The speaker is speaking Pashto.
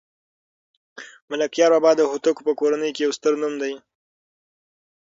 ملکیار بابا د هوتکو په کورنۍ کې یو ستر نوم دی